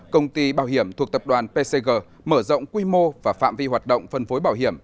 công ty bảo hiểm thuộc tập đoàn pcg mở rộng quy mô và phạm vi hoạt động phân phối bảo hiểm